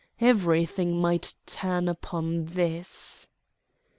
Everything might turn upon this.